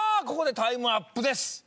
ここでタイムアップです。